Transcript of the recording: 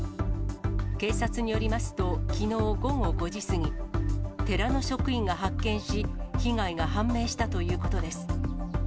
警察によりますと、きのう午後５時過ぎ、寺の職員が発見し、被害が判明したということです。